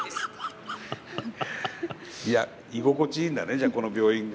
いや、居心地いいんだねじゃあ、この病院が。